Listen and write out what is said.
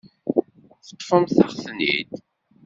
Teṭṭfemt-aɣ-ten-id.